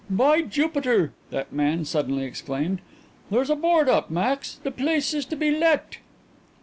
"By Jupiter!" that gentleman suddenly exclaimed, "there's a board up, Max. The place is to be let."